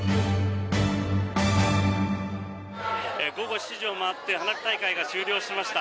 午後７時を回って花火大会が終了しました。